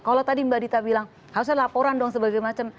kalau tadi mbak dita bilang harusnya laporan dong sebagainya